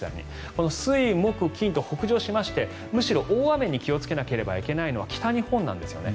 この水木金と北上しましてむしろ大雨に気をつけなければいけないのは北日本なんですね。